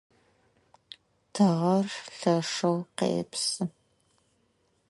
Тыгъэр лъэшэу къепсы.